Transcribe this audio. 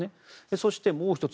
そして、もう１つ。